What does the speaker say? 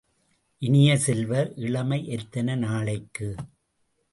இனிய செல்வ, இளமை எத்தனை நாளைக்கு?